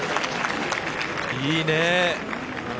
いいねぇ。